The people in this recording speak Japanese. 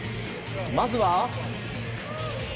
まずは。